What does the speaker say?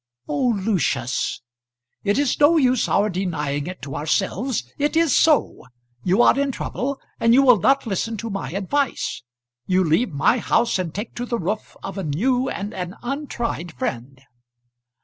"Oh, Lucius!" "It is no use our denying it to ourselves. It is so. You are in trouble, and you will not listen to my advice. You leave my house and take to the roof of a new and an untried friend."